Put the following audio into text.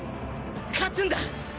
勝つんだ！